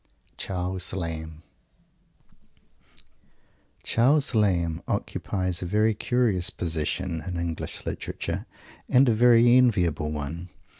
CHARLES LAMB Charles Lamb occupies a very curious position in English literature and a very enviable one.